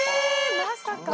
まさか。